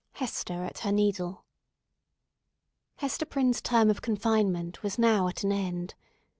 HESTER AT HER NEEDLE Hester Prynne's term of confinement was now at an end.